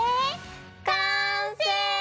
完成！